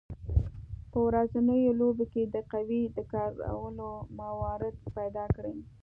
په ورځنیو لوبو کې د قوې د کارولو موارد پیداکړئ.